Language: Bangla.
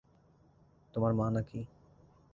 তোমার মা নাকি?